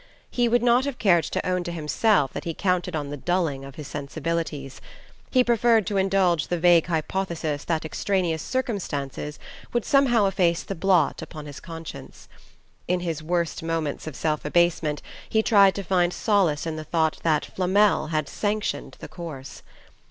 He would not have cared to own to himself that he counted on the dulling of his sensibilities: he preferred to indulge the vague hypothesis that extraneous circumstances would somehow efface the blot upon his conscience. In his worst moments of self abasement he tried to find solace in the thought that Flamel had sanctioned his course.